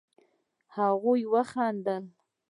هغوئ وخندل.